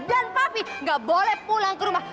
dan papi gak boleh pulang ke rumah